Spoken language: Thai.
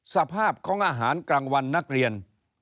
สภาพของอาหารกลางวันนักเรียน